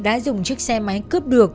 đã dùng chiếc xe máy cướp được